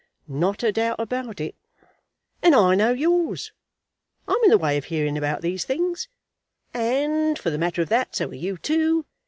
"Not a doubt about it." "And I know yours. I'm in the way of hearing about these things, and for the matter of that, so are you too.